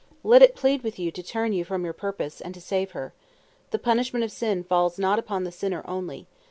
Let it plead with you to turn you from your purpose, and to save her. The punishment of sin falls not upon the sinner only.